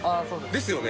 ですよね？